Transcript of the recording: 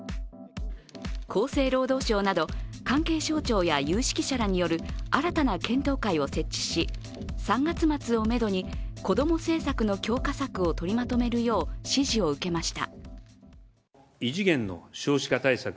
厚生労働省など関係省庁や有識者らによる新たな検討会を設置し、３月末をめどに子供政策の強化策を取りまとめるよう指示を受けました。